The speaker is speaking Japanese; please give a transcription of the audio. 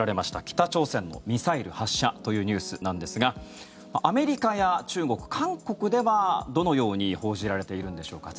北朝鮮のミサイル発射というニュースなんですがアメリカや中国、韓国ではどのように報じられているんでしょうか。